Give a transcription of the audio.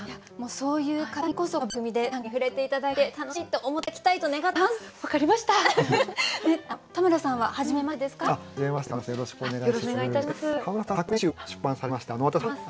そういう方にこそこの番組で短歌に触れて頂いて「楽しい」って思って頂きたいと願ってます！